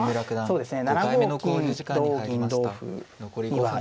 そうですね